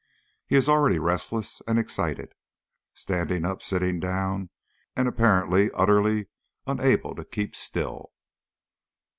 He is already restless and excited, standing up, sitting down, and apparently utterly unable to keep still.